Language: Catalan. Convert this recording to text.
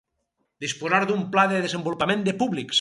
Disposar d'un pla de desenvolupament de públics.